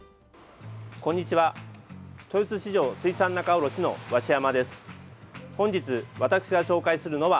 こんにちは。